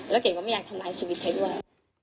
เก๋ก็ไม่อยากทำร้ายชีวิตใครด้วย